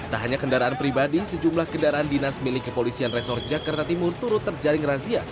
tak hanya kendaraan pribadi sejumlah kendaraan dinas milik kepolisian resor jakarta timur turut terjaring razia